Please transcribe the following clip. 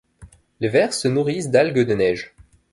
Les vers se nourrissent d'algues de neige.